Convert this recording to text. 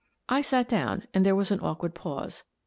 I sat down, and there was an awkward pause.